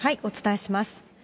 お伝えします。